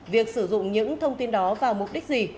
việc sử dụng những thông tin đó vào mục đích gì